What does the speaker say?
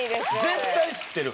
絶対知ってる。